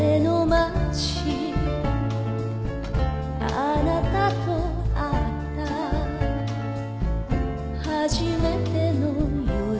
「あなたと逢った初めての夜」